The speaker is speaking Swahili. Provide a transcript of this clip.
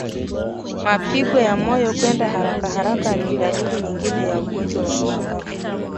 Mapigo ya moyo kwenda harakaharaka ni dalili nyingine ya ugonjwa wa mapafu